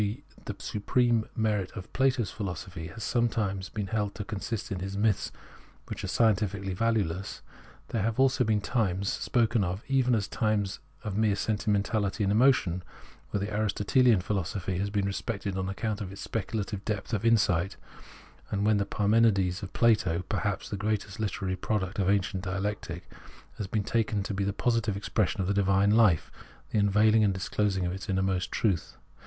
g. the supreme merit of Plato's philosophy has sometimes been held to consist in his myths which are scientifically valueless, there have also been times, spoken of even as times of mere sentimentahty and emotion, when the AristoteHan philosophy has been respected on account of its specu lative depth of insight, and when the Parmenides of Plato — perhaps the greatest hterary product of ancient dialectic — has been taken to be the positive expression of the divine life, the unveiling and disclosing of its inmost truth.